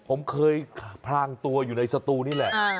ผมเคยพลางตัวอยู่ในสตูนี่แหละ